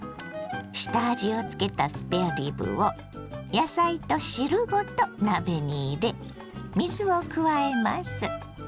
下味をつけたスペアリブを野菜と汁ごと鍋に入れ水を加えます。